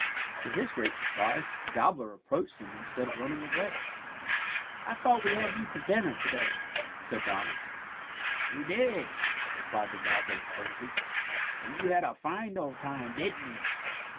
To his great surprise the gobbler approached him instead of running away. "I thought we had you for dinner to day," said Donald. "You did," replied the gobbler coldly, "and you had a fine old time, didn't you?"